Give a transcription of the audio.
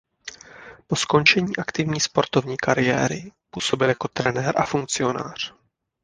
Po skončení aktivní sportovní kariéry působil jako trenér a funkcionář.